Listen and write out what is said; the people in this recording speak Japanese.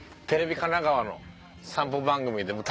テレビ神奈川の散歩番組で。